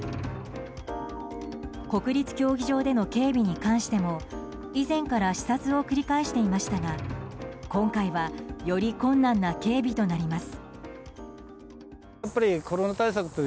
国立競技場での警備に関しても以前から視察を繰り返していましたが今回は、より困難な警備となります。